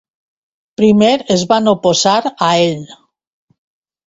Primer es van oposar a ell.